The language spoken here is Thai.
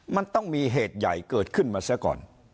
มันต้องมีเหตุใหญ่เกิดขึ้นมาเสียก่อน